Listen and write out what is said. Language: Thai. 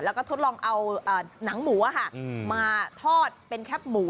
แล้วก็ทดลองเอาหนังหมูมาทอดเป็นแคบหมู